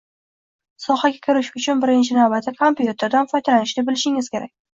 sohaga kirish uchun birinchi navbatda kompyuterdan foydalanishni bilishingiz kerak